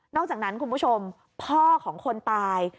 อกจากนั้นคุณผู้ชมพ่อของคนตาย